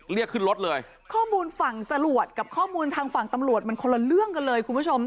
เรียกขึ้นรถเลยข้อมูลฝั่งจรวดกับข้อมูลทางฝั่งตำรวจมันคนละเรื่องกันเลยคุณผู้ชม